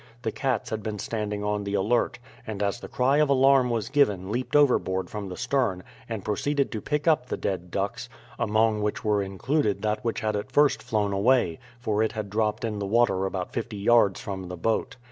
The cats had been standing on the alert, and as the cry of alarm was given leaped overboard from the stern, and proceeded to pick up the dead ducks, among which were included that which had at first flown away, for it had dropped in the water about fifty yards from the boat.